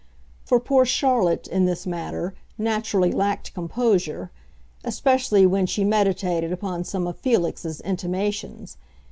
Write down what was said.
For poor Charlotte, in this matter, naturally lacked composure; especially when she meditated upon some of Felix's intimations.